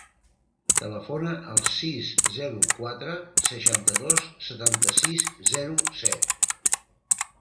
Telefona al sis, zero, quatre, seixanta-dos, setanta-sis, zero, set.